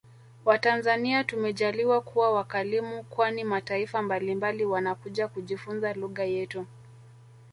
Watanzania tumejaliwa kuwa wakalimu kwani mataifa mbalimbali wanakuja kujifunza lugja yetu